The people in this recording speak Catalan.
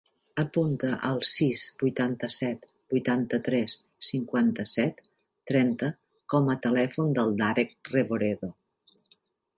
Apunta el sis, vuitanta-set, vuitanta-tres, cinquanta-set, trenta com a telèfon del Darek Reboredo.